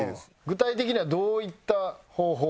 具体的にはどういった方法で？